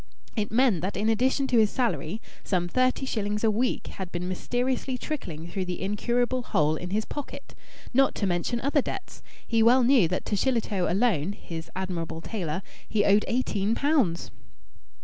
It meant that in addition to his salary, some thirty shillings a week had been mysteriously trickling through the incurable hole in his pocket. Not to mention other debts! He well knew that to Shillitoe alone (his admirable tailor) he owed eighteen pounds.